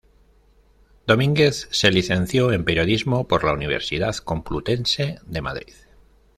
Domínguez se licenció en Periodismo por la Universidad Complutense de Madrid.